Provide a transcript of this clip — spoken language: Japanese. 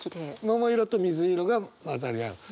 桃色と水色が混ざり合う。